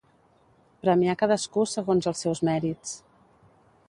Premiar cadascú segons els seus mèrits.